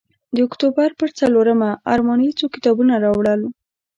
د اکتوبر پر څلورمه ارماني څو کتابه راوړل.